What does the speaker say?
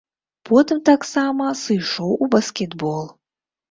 Потым таксама сышоў у баскетбол.